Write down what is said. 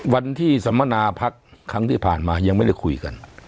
วันที่สัมมนาพักครั้งที่ผ่านมายังไม่ได้คุยกัน